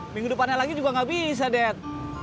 minggu depannya lagi juga nggak bisa dead